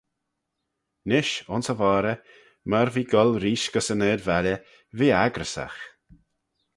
Nish ayns y voghrey, myr v'eh goll reesht gys yn ard-valley, v'eh accryssagh.